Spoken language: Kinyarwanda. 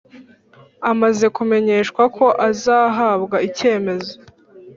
amaze kumenyeshwa ko azahabwa icyemezo,